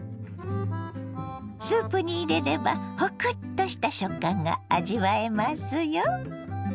スープに入れればホクッとした食感が味わえますよ。